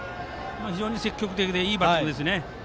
非常に積極的でいいバッティングです。